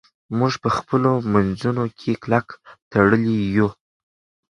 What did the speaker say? موږ په خپلو منځونو کې کلک تړلي یو.